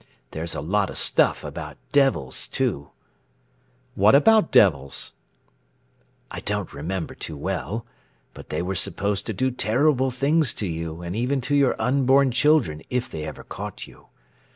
There's a lot of stuff about devils, too." "What about devils?" "I don't remember too well, but they were supposed to do terrible things to you and even to your unborn children if they ever caught you.